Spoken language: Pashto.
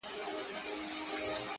ډاکټره خاص ده ګنې وه ازله ,